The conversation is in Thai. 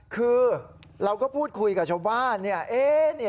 คือเราก็พูดคุยกับชาวบ้านเนี่ย